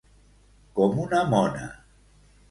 Com una mona.